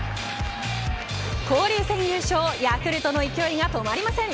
交流戦優勝ヤクルトの勢いが止まりません。